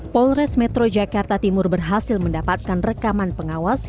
polres metro jakarta timur berhasil mendapatkan rekaman pengawas